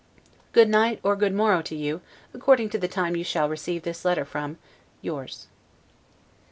Good night or good morrow to you, according to the time you shall receive this letter from, Yours.